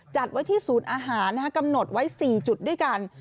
จัดไว้ที่ศูนย์อาหารกำหนดไว้๔จุดด้วยกัน